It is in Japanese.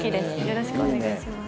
よろしくお願いします。